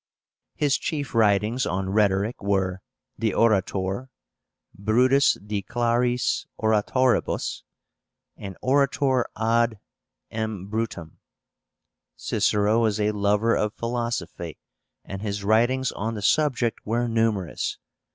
His chief writings on rhetoric were De Oratore; Brutus de Claris Oratoribus; and Orator ad M. Brutum. Cicero was a lover of philosophy, and his writings on the subject were numerous.